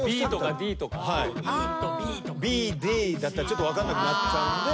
ＢＤだったらちょっと分かんなくなっちゃうので。